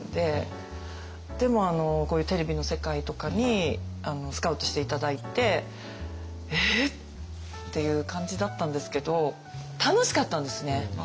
でもこういうテレビの世界とかにスカウトして頂いて「えっ！？」っていう感じだったんですけど楽しかったんですね。